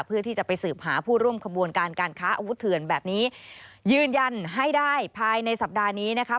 เพื่อที่จะไปสืบหาผู้ร่วมขบวนการการค้าอาวุธเถื่อนแบบนี้ยืนยันให้ได้ภายในสัปดาห์นี้นะคะ